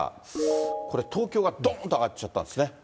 これ、東京がどんと上がっちゃったんですね。